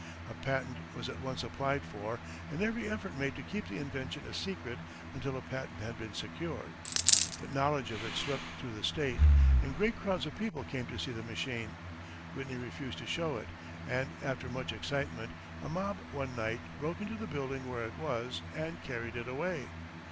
A patent was at once applied for and every effort made to keep the invention a secret until a patent had been secured. But knowledge of it swept through the state, and great crowds of people came to see the machine. Whitney refused to show it, and after much excitement, a mob one night broke into the building where it was, and carried it away.